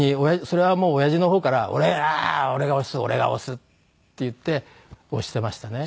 それは親父の方から「俺が押す俺が押す」って言って押していましたね。